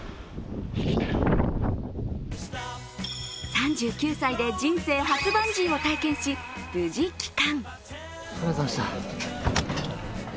３９歳で人生初バンジーを体験し無事帰還。